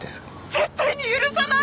絶対に許さない！